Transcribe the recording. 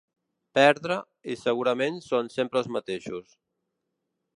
Perdre, i segurament són sempre els mateixos.